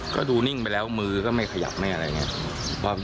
ก็ดูนิ่งไปแล้วมือก็ไม่ขยับไม่อะไรอย่างนี้